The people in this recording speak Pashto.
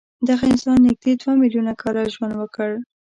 دغه انسان نږدې دوه میلیونه کاله ژوند وکړ.